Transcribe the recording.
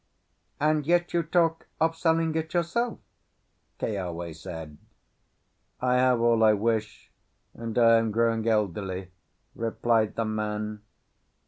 "And yet you talk of selling it yourself?" Keawe said. "I have all I wish, and I am growing elderly," replied the man.